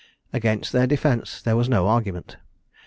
Against their defence there was no argument.